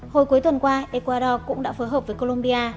hồi cuối tuần qua ecuador cũng đã phối hợp với colombia